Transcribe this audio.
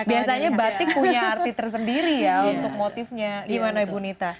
biasanya batik punya arti tersendiri ya untuk motifnya gimana ibu nita